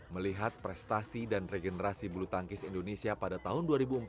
melihat prestasi dan regenerasi bulu tangkis indonesia pada tahun dua ribu empat belas